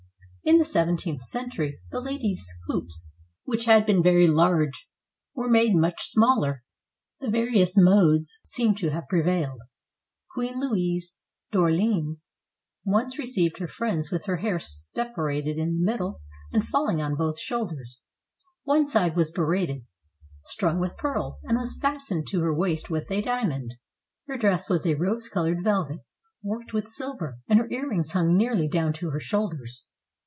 In the seventeenth century, the ladies' hoops, which had been very large, were made much smaller; but vari ous modes seem to have prevailed. Queen Louise d 'Or leans once received her friends with her hair separated in the middle and falling on both shoulders. One side was braided, strung with pearls, and was fastened to her waist with a diamond. Her dress was a rose colored velvet, worked with silver; and her earrings hung nearly down to her shoulders.